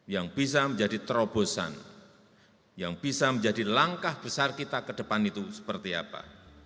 yang bisa menjadi terobosan yang bisa menjadi langkah besar kita ke depan itu seperti apa